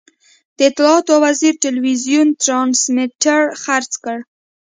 د اطلاعاتو وزیر ټلوېزیون ټرانسمیټر خرڅ کړ.